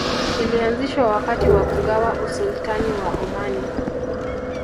Ilianzishwa wakati wa kugawa Usultani wa Omani